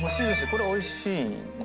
これおいしい？